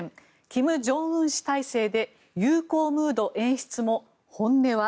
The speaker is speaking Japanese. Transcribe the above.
金正恩氏体制で友好ムード演出も本音は。